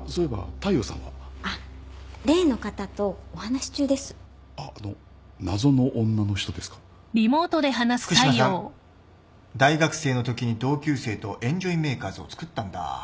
福島さん大学生のときに同級生とエンジョイメーカーズをつくったんだ。